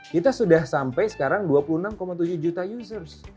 kita sudah sampai sekarang dua puluh enam tujuh juta users